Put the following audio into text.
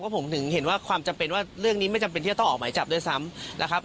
ผมถึงเห็นว่าความจำเป็นว่าเรื่องนี้ไม่จำเป็นที่จะต้องออกหมายจับด้วยซ้ำนะครับ